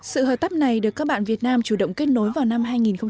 sự hợp tác này được các bạn việt nam chủ động kết nối vào năm hai nghìn hai mươi